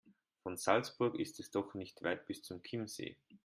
Von Salzburg ist es doch nicht weit bis zum Chiemsee.